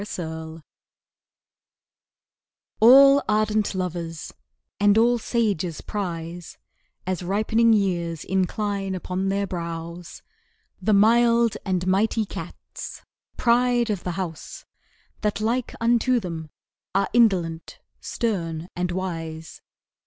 Cats All ardent lovers and all sages prize, As ripening years incline upon their brows The mild and mighty cats pride of the house That like unto them are indolent, stern and wise.